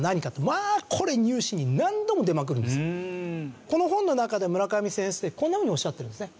まあこれこの本の中で村上先生こんなふうにおっしゃってるんですね。